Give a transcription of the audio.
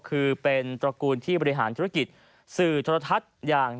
คือเป็นตระกูลที่บริหารธุรกิจสื่อโทรทัศน์อย่าง